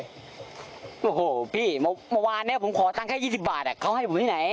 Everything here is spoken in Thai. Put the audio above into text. โอ้โหพี่เมื่อวานเนี่ยผมขอตังค์แค่๒๐บาทเขาให้ผมที่ไหน